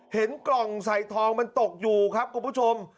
เห็นกล่องใส่ทองมันตกอยู่ครับคุณผู้ชม